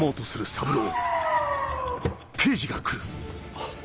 あっ。